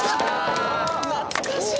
懐かしい！